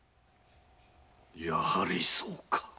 やはりそうか。